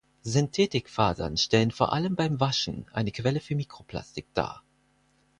Synthetikfasern stellen vor allem beim Waschen eine Quelle für Mikroplastik dar.